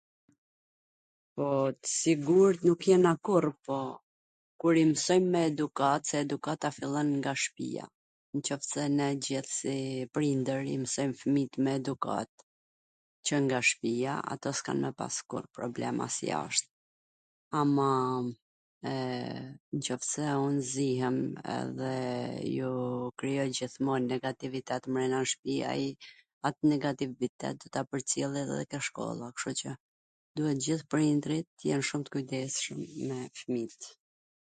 Po t sigurt nuk jena kurr, po kur i msojm me edukat, edukata fillon nga shpija, nwqoftse ne si prindwr i msojm fwmijt me edukat qw nga shpia, ata nuk kan me pas kurr problem edhe jasht, ama nwqoftse un zihem dhe ju krijoj gjithmon negativitet mrena n shpi, ai pak negativitet do ta pwrcjell edhe ke shkolla, kshtu qw duhen gjith prindrit tw jen shum tw kujdesshwm me fmijt.